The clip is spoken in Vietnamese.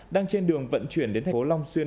đang trên đường vận chuyển đến tp long xuyên